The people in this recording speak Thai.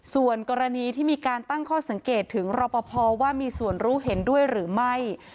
ส่วนกรณีที่มีการตั้งข้อสังเกตถึงรอปภว่ามีส่วนรู้เห็นด้วยหรือไม่